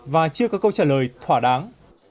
và chưa có câu trả lời thỏa đáng